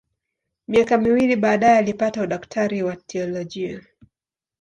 Miaka miwili baadaye alipata udaktari wa teolojia.